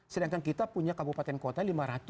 sedangkan kita punya kabupaten kota lima ratus